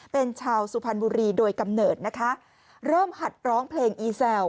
เป็นชาวสุพรรณบุรีโดยกำเนิดนะคะเริ่มหัดร้องเพลงอีแซว